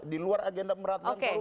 di luar agenda pemberantasan korupsi